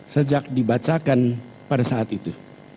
sejak dibacakan pada saat itu